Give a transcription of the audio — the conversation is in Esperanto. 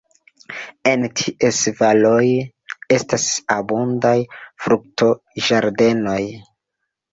En ties valoj estas abundaj fruktoĝardenoj.